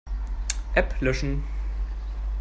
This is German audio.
App löschen.